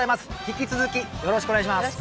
引き続きよろしくお願いします。